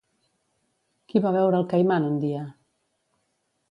Qui va veure el Caiman un dia?